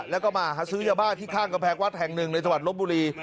แล้วก็มาหาซื้อยาบ้าที่ข้างกำแพงวัดแห่งหนึ่งในจังหวัดลบบุรี